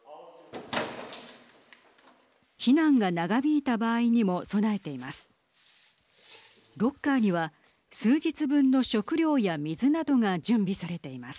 避難が長引いた場合にも備えています。